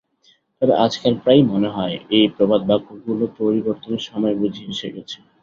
তবে আজকাল প্রায়ই মনে হয় এই প্রবাদবাক্যগুলো পরিবর্তনের সময় বুঝি এসে গেছে।